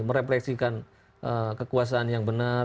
merefleksikan kekuasaan yang benar